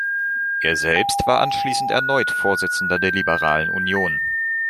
Er selbst war anschließend erneut Vorsitzender der Liberalen Union.